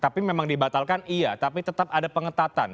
tapi memang dibatalkan iya tapi tetap ada pengetatan